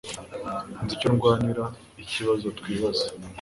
Nzi icyo ndwanira ikibazo twibaza